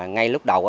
ngay lúc đầu